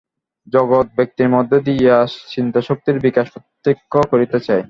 জগৎ ব্যক্তির মধ্য দিয়া চিন্তাশক্তির বিকাশ প্রত্যক্ষ করিতে চায়।